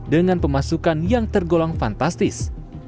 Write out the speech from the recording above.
dengan pemasukan yang tergolong fantastis